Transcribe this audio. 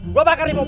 gua bakar di mobil